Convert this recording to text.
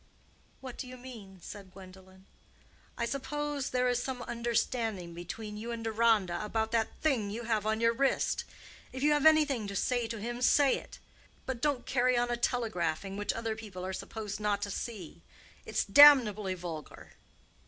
"What do you mean?" said Gwendolen. "I suppose there is some understanding between you and Deronda about that thing you have on your wrist. If you have anything to say to him, say it. But don't carry on a telegraphing which other people are supposed not to see. It's damnably vulgar."